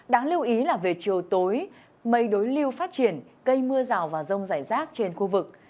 đáng lưu ý là về chiều tối mây đối lưu phát triển cây mưa rào và rông rải rác trên khu vực